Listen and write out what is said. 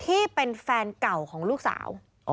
ที่เป็นแฟนเก่าของลูกสาว